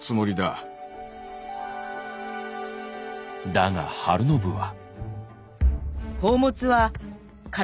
だが晴信は。